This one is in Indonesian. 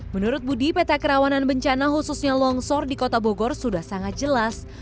menurut budi peta kerawanan bencana khususnya longsor di kota bogor sudah sangat jelas